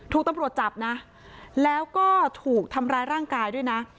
ถูกตำรวจจับนะแล้วก็ถูกทำร้ายร่างกายด้วยนะ